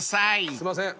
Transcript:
すいません。